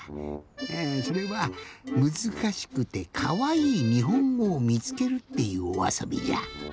えそれは「むずかしくてかわいいにほんごをみつける」っていうおあそびじゃ。